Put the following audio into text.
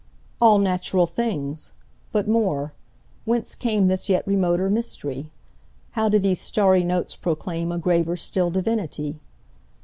All natural things! But more—Whence cameThis yet remoter mystery? How do these starry notes proclaimA graver still divinity?